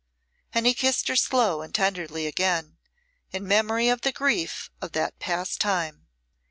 And he kissed her slow and tenderly again, in memory of the grief of that past time.